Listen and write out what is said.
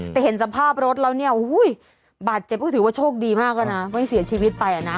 แต่เห็นสภาพรถแล้วเนี่ยบาดเจ็บก็ถือว่าโชคดีมากแล้วนะไม่เสียชีวิตไปอ่ะนะ